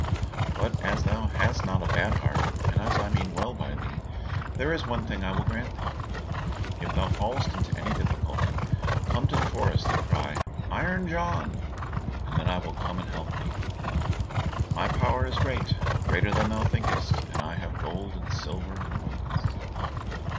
But as thou hast not a bad heart, and as I mean well by thee, there is one thing I will grant thee; if thou fallest into any difficulty, come to the forest and cry, 'Iron John,' and then I will come and help thee. My power is great, greater than thou thinkest, and I have gold and silver in abundance."